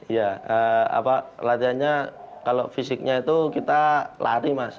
ya apa latihannya kalau fisiknya itu kita lari mas